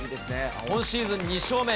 今シーズン２勝目。